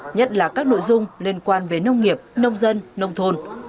nhất là các nội dung liên quan về nông nghiệp nông dân nông thôn